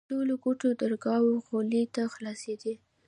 د ټولو کوټو درگاوې غولي ته خلاصېدې.